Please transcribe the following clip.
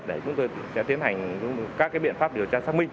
để chúng tôi sẽ tiến hành các biện pháp điều tra xác minh